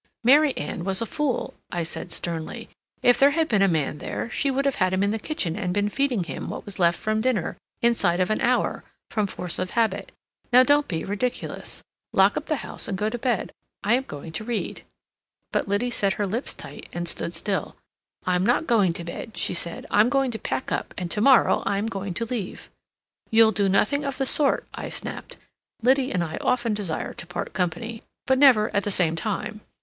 "Mary Anne was a fool," I said sternly. "If there had been a man there, she would have had him in the kitchen and been feeding him what was left from dinner, inside of an hour, from force of habit. Now don't be ridiculous. Lock up the house and go to bed. I am going to read." Illustration: But Liddy set her lips tight and stood still. "I'm not going to bed," she said. "I am going to pack up, and to morrow I am going to leave." "You'll do nothing of the sort," I snapped. Liddy and I often desire to part company, but never at the same time.